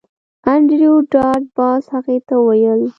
انډریو ډاټ باس هغې ته وویل